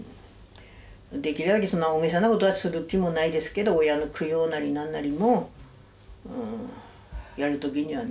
できるだけそんな大げさなことはする気もないですけど親の供養なり何なりもやる時にはね